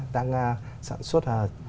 đang sản xuất